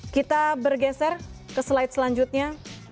kita bergeser ke slide selanjutnya